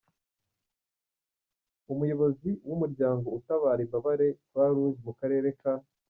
Umuyobozi w’Umuryango utabara imbabare, Croix Rouge mu karere ka .